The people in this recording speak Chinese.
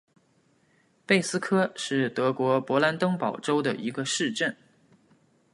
贝斯科是德国勃兰登堡州的一个市镇。